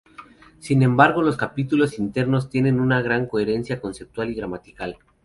Sin embargo, los capítulos internos tienen una gran coherencia conceptual y gramatical.